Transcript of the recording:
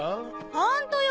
ホントよ！